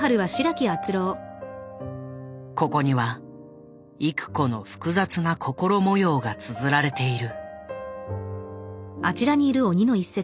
ここには郁子の複雑な心模様がつづられている。